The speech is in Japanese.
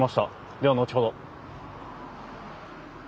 では後ほど。